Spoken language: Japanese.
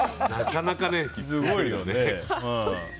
なかなか、すごいよね。